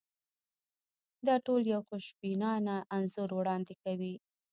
دا ټول یو خوشبینانه انځور وړاندې کوي.